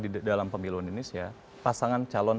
di dalam pemilu indonesia pasangan calon